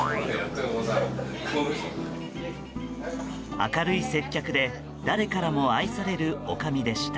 明るい接客で誰からも愛されるおかみでした。